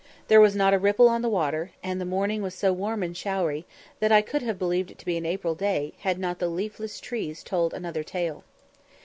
There was not a ripple on the water, and the morning was so warm and showery, that I could have believed it to be an April day had not the leafless trees told another tale.